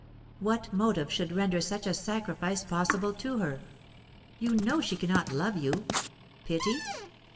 What motive should render such a sacrifice possible to her? You know she cannot love you. Pity?